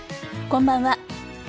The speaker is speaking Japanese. こんばんは。